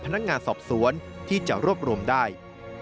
พนักงานสอบสวนที่จะรวบรวมได้